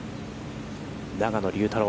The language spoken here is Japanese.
永野竜太郎。